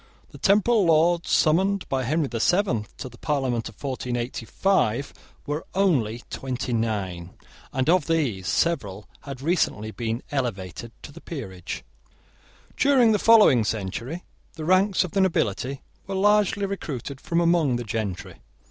The temporal Lords summoned by Henry the Seventh to the parliament of 1485 were only twenty nine, and of these several had recently been elevated to the peerage. During the following century the ranks of the nobility were largely recruited from among the gentry.